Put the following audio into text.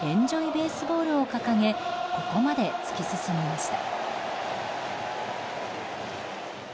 ベースボールを掲げここまで突き進みました。